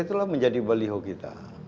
itulah menjadi baliho kita